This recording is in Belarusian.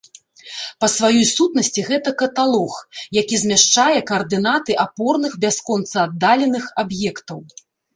Па сваёй сутнасці гэта каталог, які змяшчае каардынаты апорных бясконца аддаленых аб'ектаў.